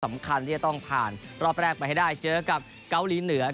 สำคัญที่จะต้องผ่านรอบแรกไปให้ได้เจอกับเกาหลีเหนือ